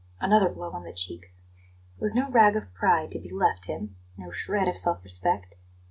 Another blow on the cheek! Was no rag of pride to be left him no shred of self respect?